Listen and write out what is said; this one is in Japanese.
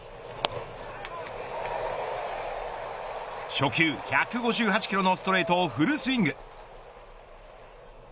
初球、１５８キロのストレートをフルスイング。